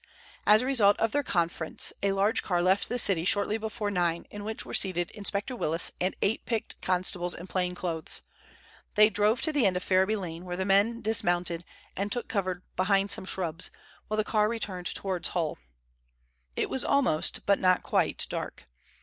As a result of their conference a large car left the city shortly before nine, in which were seated Inspector Willis and eight picked constables in plain clothes. They drove to the end of the Ferriby Lane, where the men dismounted, and took cover behind some shrubs, while the car returned towards Hull. It was almost, but not quite dark.